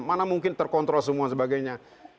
mana mungkin terkontrol semua sebagainya